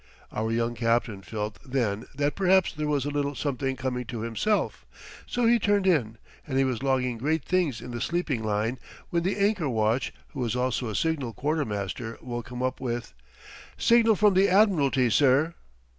Our young captain felt then that perhaps there was a little something coming to himself; so he turned in, and he was logging great things in the sleeping line when the anchor watch, who was also a signal quartermaster, woke him up with: "Signal from the admiralty, sir."